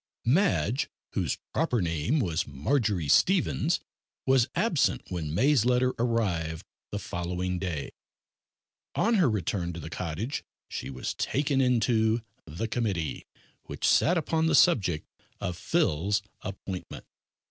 Madge whose proper name was Marjory Stevens was absent when May's letter arrived the following day. On her return to the cottage she was taken into the committee which sat upon the subject of Phil's appointment.